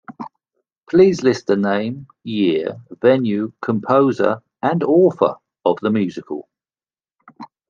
Please list the name, year, venue, composer, and author of the musical.